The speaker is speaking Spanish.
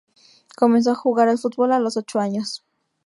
Comenzó a jugar al fútbol a los ochos años.